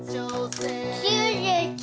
９９！